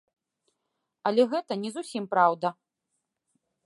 Але гэта не зусім праўда.